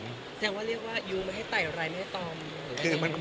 แต่จะเรียกว่ายูงหมาให้ไต่อะไรไม่ตอบ